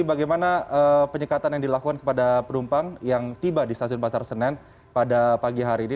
bagaimana penyekatan yang dilakukan kepada penumpang yang tiba di stasiun pasar senen pada pagi hari ini